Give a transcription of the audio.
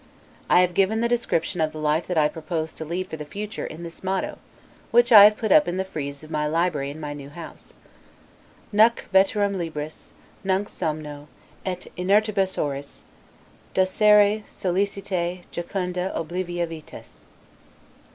I have given the description of the life that I propose to lead for the future, in this motto, which I have put up in the frize of my library in my new house: Nunc veterum libris, nunc somno, et inertibus horis Ducere sollicitae jucunda oblivia vitas.